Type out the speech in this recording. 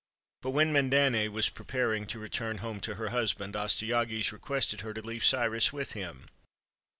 But when Mandane was preparing to return home to her husband, Astyages requested her to leave Cyrus with him.